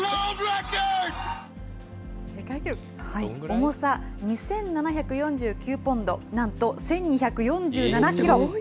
重さ２７４９ポンド、なんと１２４７キロ。